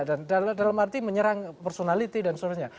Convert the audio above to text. dan dalam arti menyerang personality dan sebagainya